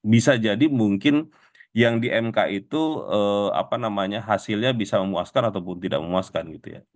bisa jadi mungkin yang di mk itu apa namanya hasilnya bisa memuaskan ataupun tidak memuaskan gitu ya